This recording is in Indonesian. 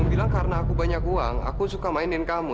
bilang karena aku banyak uang aku suka mainin kamu